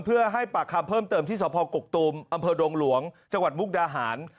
เพื่อให้ปากคำเพิ่มเติมที่สพกกตูมอำเภอดงหลวงจังหวัดมุกดาหาร